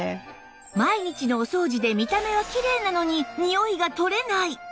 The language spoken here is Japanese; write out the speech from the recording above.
毎日のお掃除で見た目はきれいなのに臭いが取れない